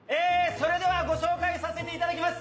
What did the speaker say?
それではご紹介させていただきます！